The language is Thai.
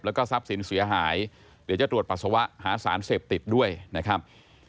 แล้วก็ทรัพย์สินเสียหายเดี๋ยวจะตรวจปัสสาวะหาสารเสพติดด้วยนะครับ